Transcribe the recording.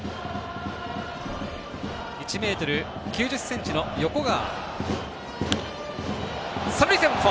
１ｍ９０ｃｍの横川。